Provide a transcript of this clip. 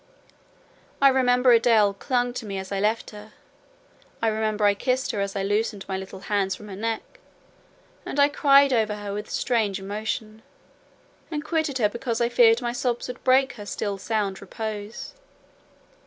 I remember Adèle clung to me as I left her: I remember I kissed her as I loosened her little hands from my neck; and I cried over her with strange emotion, and quitted her because I feared my sobs would break her still sound repose.